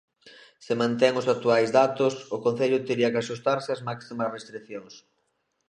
Se mantén os actuais datos, o concello tería que axustarse ás máximas restricións.